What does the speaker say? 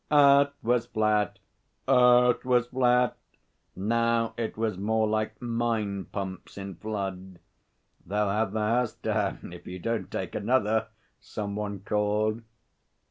'"Earth was flat Earth was flat!"' Now it was more like mine pumps in flood. 'They'll have the house down if you don't take another,' some one called.